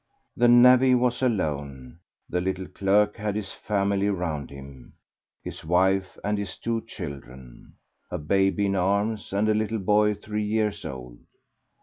The navvy was alone; the little clerk had his family round him, his wife and his two children, a baby in arms and a little boy three years old.